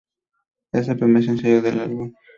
Es el primer sencillo del álbum.